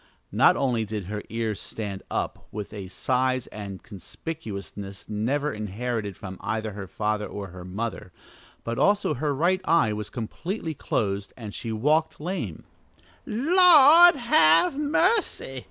Not only did her ears stand up with a size and conspicuousness never inherited from either her father or her mother, but also her right eye was completely closed and she walked lame. "The Lord have mercy!"